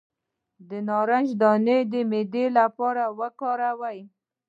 د نارنج دانه د معدې لپاره وکاروئ